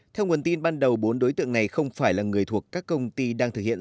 theo nguồn tin ban đầu bốn đối tượng này không phải là người thuộc các công ty đang thực hiện